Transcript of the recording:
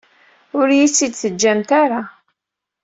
Ur iyi-tt-id-teǧǧamt ara.